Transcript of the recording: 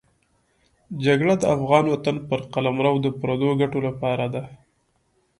جګړه د افغان وطن پر قلمرو د پردو ګټو لپاره ده.